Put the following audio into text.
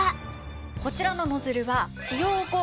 こちらのノズルは使用後